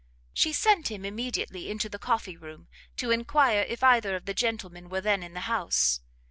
She sent him immediately into the coffee room, to enquire if either of the gentlemen were then in the house.